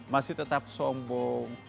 masih tetap sombong